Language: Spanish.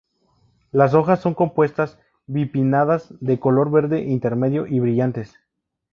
Las hojas son compuestas, bipinnadas, de color verde intermedio y brillantes.